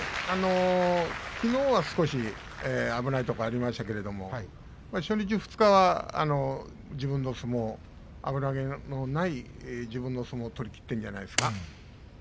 きのうは少し危ないところがありましたけれど初日、二日は自分の相撲危なげのない自分の相撲を取りきっているんじゃないですか。